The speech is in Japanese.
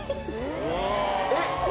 えっ！？